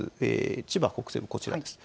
千葉北西部、こちらです。